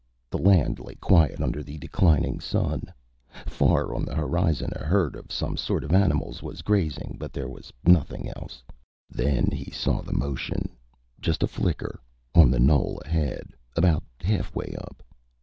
The land lay quiet under the declining sun. Far on the horizon, a herd of some sort of animals was grazing, but there was nothing else. Then he saw the motion, just a flicker, on the knoll ahead about halfway up.